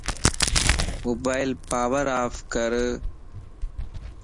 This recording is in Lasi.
موبائل پاور اوف ڪر